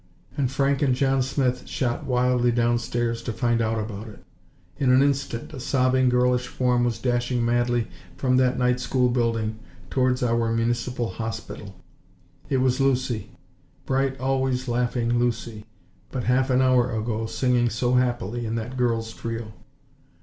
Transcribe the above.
and Frank and John Smith shot wildly downstairs to find out about it. In an instant a sobbing girlish form was dashing madly from that Night School building towards our Municipal Hospital. It was Lucy; bright, always laughing Lucy; but half an hour ago singing so happily in that girls' trio.